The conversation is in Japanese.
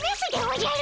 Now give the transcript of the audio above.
おじゃ。